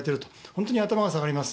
本当に頭が下がります。